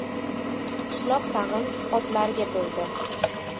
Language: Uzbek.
Qishloq tag‘in otlarga to‘ldi.